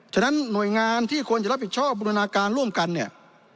ฉะนั้นหน่วยงานที่ควรจะรับผิดชอบบูรณาการร่วมกันเนี่ย